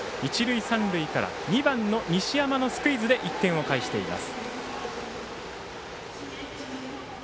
一塁三塁から２番の西山のスクイズで１点を返しています。